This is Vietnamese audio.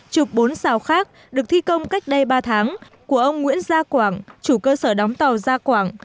tàu khác được thi công cách đây ba tháng của ông nguyễn gia quảng chủ cơ sở đóng tàu gia quảng